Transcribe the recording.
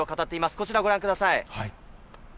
こちらをご覧ください。